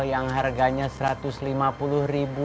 yang harganya seratus lima puluh ribu